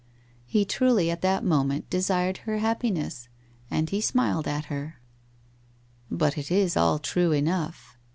He truly at that moment de sired her happiness, and he smiled at her. ' But it is all true enough.